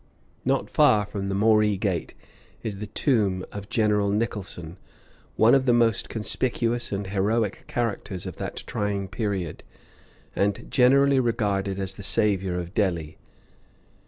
Not far from the Moree Gate is the tomb of General Nicholson, one of the most conspicuous and heroic characters of that trying period, and generally regarded as the saviour of Delhi.